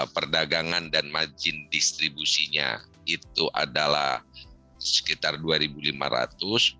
perdagangan dan margin distribusinya itu adalah sekitar rp dua lima ratus